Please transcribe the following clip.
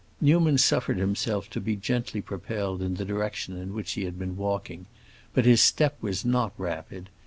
Newman suffered himself to be gently propelled in the direction in which he had been walking, but his step was not rapid.